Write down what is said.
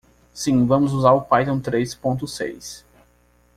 Sim, vamos usar o Python três pontos seis.